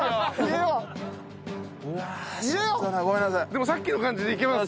でもさっきの感じでいけます。